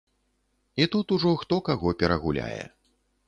І тут ужо хто каго перагуляе.